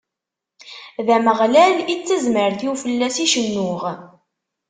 D Ameɣlal i d tazmert-iw, fell-as i cennuɣ.